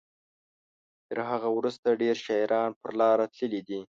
تر هغه وروسته ډیر شاعران پر لاره تللي دي.